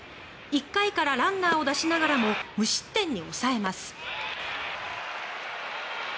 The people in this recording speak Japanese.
１回からランナーを出しながらも無失点に抑えます。